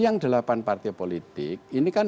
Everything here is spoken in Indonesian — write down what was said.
yang delapan partai politik ini kan